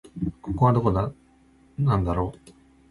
ここはどこなんだろう